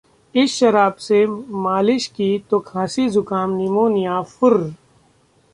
इस शराब से मालिश की तो खांसी-जुकाम, निमोनिया फुर्र